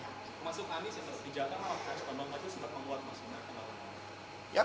termasuk anies yang sudah di jakarta apa yang sudah anda lakukan untuk membuat masing masing